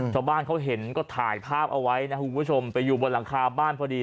ชาวบ้านเขาเห็นก็ถ่ายภาพเอาไว้นะคุณผู้ชมไปอยู่บนหลังคาบ้านพอดี